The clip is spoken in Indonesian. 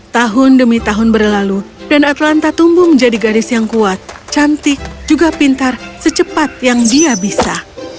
tahun demi tahun berlalu dan atlanta tumbuh menjadi garis yang kuat cantik juga pintar secepat yang dia bisa